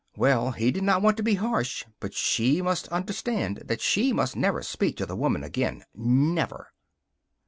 Well, he did not want to be harsh; but she must understand that she must never speak to the woman again. Never!